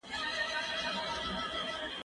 هغه څوک چي نان خوري قوي وي!؟